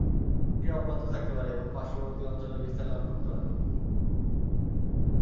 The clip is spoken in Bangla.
এটি অব্যাহত থাকতে পারে এবং পার্শ্ববর্তী অঞ্চলে বিস্তার লাভ করতে পারে।